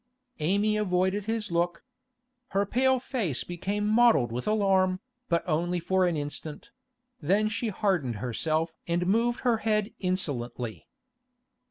Amy avoided his look. Her pale face became mottled with alarm, but only for an instant; then she hardened herself and moved her head insolently.